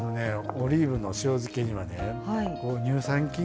オリーブの塩漬けにはね乳酸菌が入ってます。